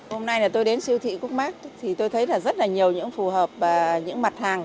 hôm nay tôi đến siêu thị cúc mát tôi thấy rất nhiều những phù hợp và những mặt hàng